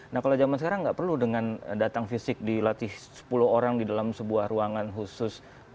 nah kalau zaman sekarang nggak perlu dengan datang fisik dilatih sepuluh orang di dalam sebuah ruangan khusus